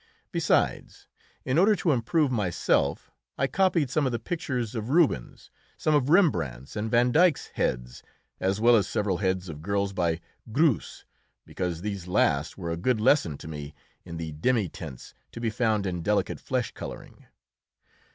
Besides, in order to improve myself, I copied some of the pictures of Rubens, some of Rembrandt's and Van Dyck's heads, as well as several heads of girls by Greuze, because these last were a good lesson to me in the demi tints to be found in delicate flesh colouring.